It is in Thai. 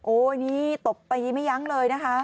โอ้ยนี่ตบไปไม่ยั้งเลยนะฮะ